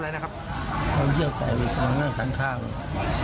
มันเยี่ยวโย่ใจโย่ใจ